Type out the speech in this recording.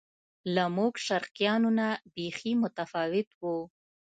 له موږ شرقیانو نه بیخي متفاوت و.